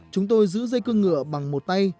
chúng tôi giữ dây cương ngựa bằng một tay